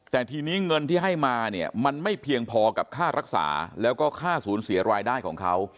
แต่ทีนี้เงินที่ให้มาเนี่ยมันไม่เพียงพอกับค่ารักษาแล้วก็ค่าสูญเสียรายได้ของเขา